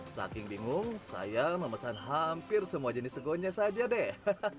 saking bingung saya memesan hampir semua jenis segonya saja deh